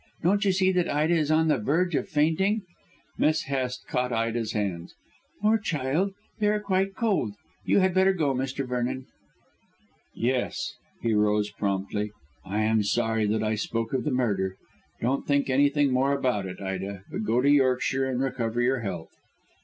Don't you see that Ida is on the verge of fainting?" Miss Hest caught Ida's hands. "Poor child, they are quite cold. You had better go, Mr. Vernon." "Yes." He rose promptly. "I am sorry that I spoke of the murder. Don't think anything more about it, Ida, but go to Yorkshire and recover your health."